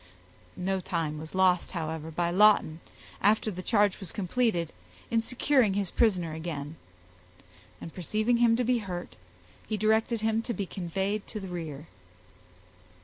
No time was lost, however, by Lawton, after the charge was completed, in securing his prisoner again; and perceiving him to be hurt, he directed him to be conveyed to the rear.